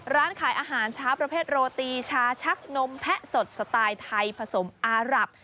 ร้านขายอาหารเช้าประเภทโรตีชาชักนมแพะสดสไตล์ไทยผสมอารับ